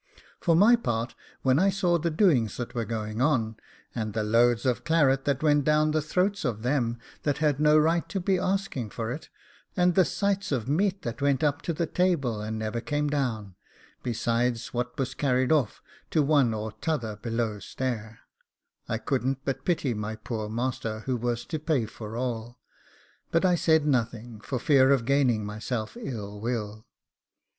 For my part, when I saw the doings that were going on, and the loads of claret that went down the throats of them that had no right to be asking for it, and the sights of meat that went up to table and never came down, besides what was carried off to one or t'other below stair, I couldn't but pity my poor master, who was to pay for all; but I said nothing, for fear of gaining myself ill will.